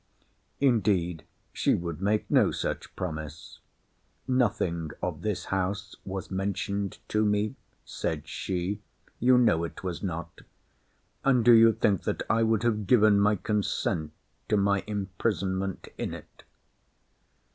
Indeed she would make no such promise. Nothing of this house was mentioned to me, said she: you know it was not. And do you think that I would have given my consent to my imprisonment in it?